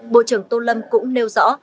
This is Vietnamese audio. bộ trưởng tô lâm cũng nêu rõ